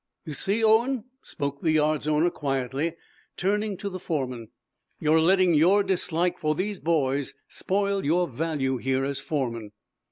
"You see, Owen," spoke the yard's owner, quietly, turning to the foreman, "you're letting your dislike for these boys spoil your value here as foreman."